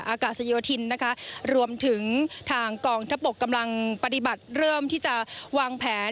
อากาศโยธินนะคะรวมถึงทางกองทัพบกกำลังปฏิบัติเริ่มที่จะวางแผน